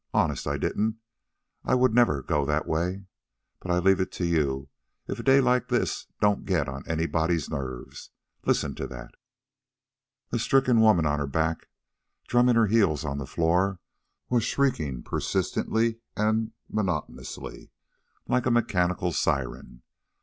"Honest, I didn't. I wouldn't never go that way. But I leave it to you, if a day like this don't get on anybody's nerves. Listen to that!" The stricken woman, on her back, drumming her heels on the floor, was shrieking persistently and monotonously, like a mechanical siren.